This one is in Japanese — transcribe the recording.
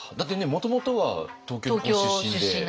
もともとは東京ご出身で。